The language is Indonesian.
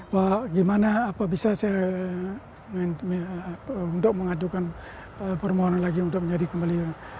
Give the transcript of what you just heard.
bahwa gimana apa bisa saya untuk mengajukan permohonan lagi untuk menjadi kembali